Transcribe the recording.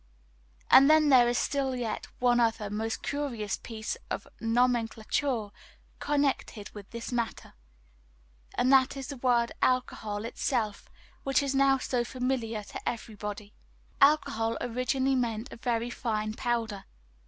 And then there is still yet one other most curious piece of nomenclature connected with this matter, and that is the word "alcohol" itself, which is now so familiar to everybody. Alcohol originally meant a very fine powder.